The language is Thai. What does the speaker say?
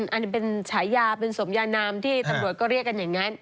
อันนี้เป็นฉายาเป็นสมยานามที่ตำรวจก็เรียกกันอย่างนั้น